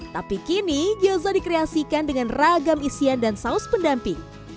tapi kini gyoza dikreasikan dengan ragam isian dan saus pendamping